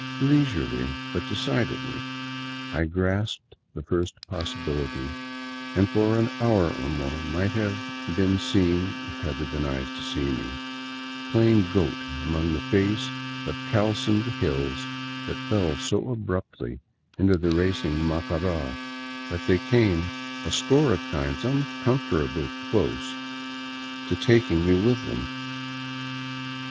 Leisurely, but de cidedly, I grasped the first possibility, and for an hour or more might have been seen — had there been eyes to see — playing goat along the face of calcined hills that fell so abruptly into the racing Macara that they came a score of times uncomfortably near taking me with them.